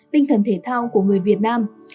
tinh thần thể thao của người việt nam